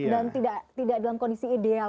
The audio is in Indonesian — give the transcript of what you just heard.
dan tidak dalam kondisi ideal